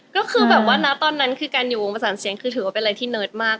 ก็คือแบบว่านะตอนนั้นคือการอยู่วงประสานเสียงคือถือว่าเป็นอะไรที่เนิร์ดมาก